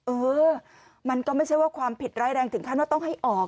เออมันก็ไม่ใช่ว่าความผิดร้ายแรงถึงขั้นว่าต้องให้ออก